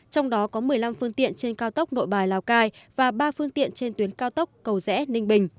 trong đó có một mươi năm phương tiện trên cao tốc nội bài lào cai và ba phương tiện trên tuyến cao tốc cầu rẽ ninh bình